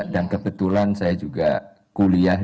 kebetulan saya juga kuliah